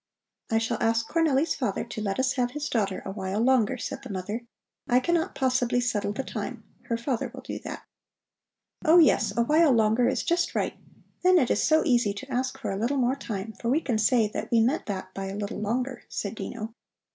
"I shall ask Cornelli's father to let us have his daughter a while longer," said the mother, "I cannot possibly settle the time, her father will do that." "Oh, yes, a while longer is just right. Then it is so easy to ask for a little more time, for we can say that we meant that by a little longer," said Dino.